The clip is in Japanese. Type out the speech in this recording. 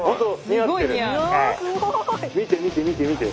見て見て見て見て。